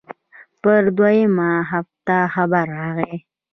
پر دويمه هفته خبر راغى.